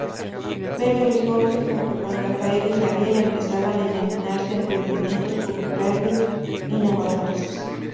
Pedro y Jorge, junto con Rafael y Javier, empezaban a imaginarse emprendimientos culturales innovadores.